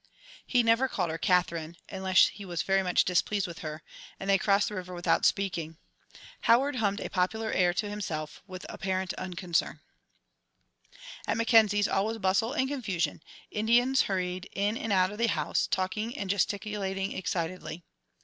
He never called her "Katherine" unless he was very much displeased with her, and they crossed the river without speaking. Howard hummed a popular air to himself, with apparent unconcern. At Mackenzies', all was bustle and confusion. Indians hurried in and out of the house, talking and gesticulating excitedly.